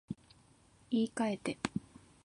言い換えて